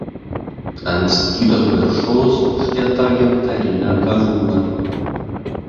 Ant skydo viršaus uždėta gintarinė karūna.